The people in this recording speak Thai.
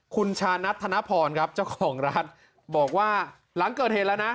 คุณชานัทธนพรครับเจ้าของร้านบอกว่าหลังเกิดเหตุแล้วนะ